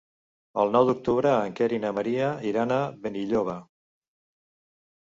El nou d'octubre en Quer i na Maria iran a Benilloba.